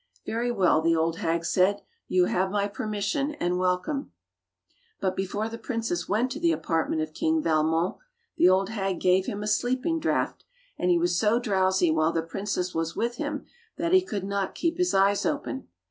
"Very well," the old hag said, "y^^ have my permission and welcome." But before the princess went to the apart ment of King Valmon the old hag gave him a sleeping draught, and he was so drowsy while the princess was with him that he could not keep his eyes open.